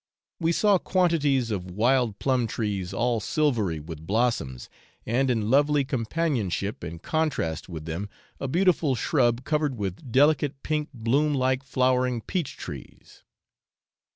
We saw quantities of wild plum trees all silvery with blossoms, and in lovely companionship and contrast with them a beautiful shrub covered with delicate pink bloom like flowering peach trees.